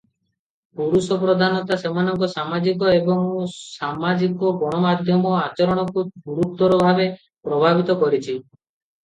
ପୁରୁଷପ୍ରଧାନତା ସେମାନଙ୍କ ସାମାଜିକ ଏବଂ ସାମାଜିକ ଗଣମାଧ୍ୟମ ଆଚରଣକୁ ଗୁରୁତର ଭାବେ ପ୍ରଭାବିତ କରିଛି ।